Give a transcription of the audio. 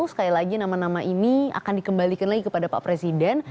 sekali lagi nama nama ini akan dikembalikan lagi kepada pak presiden